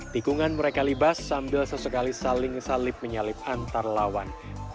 tikungan mereka libas sambil sesekali saling salib menyalip antar lawan